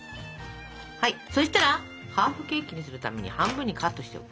はいそしたらハーフケーキにするために半分にカットしておく。